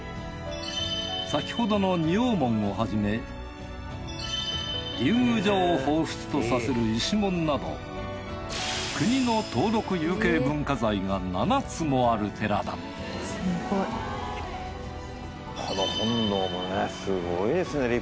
先ほどの仁王門をはじめ竜宮城をほうふつとさせる石門など国の登録有形文化財が７つもある寺だすごい。